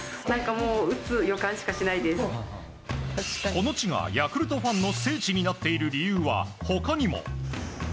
この地がヤクルトファンの聖地になっている理由は他にも。